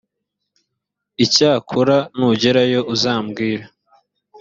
icyakora nugerayo uzabwire